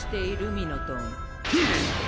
ミノトン・フン！